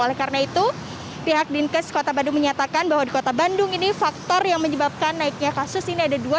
oleh karena itu pihak dinkes kota bandung menyatakan bahwa di kota bandung ini faktor yang menyebabkan naiknya kasus ini ada dua